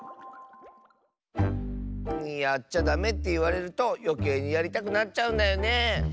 やっちゃダメっていわれるとよけいにやりたくなっちゃうんだよねえ。